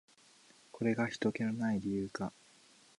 これがひとけの無い理由か。